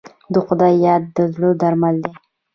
د خدای یاد د زړه درمل دی.